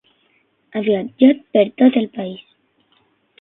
Ha viatjat per tot el país.